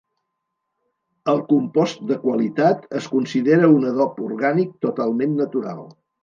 El compost de qualitat es considera un adob orgànic totalment natural.